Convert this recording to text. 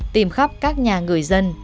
tìm khắp các nhà người dân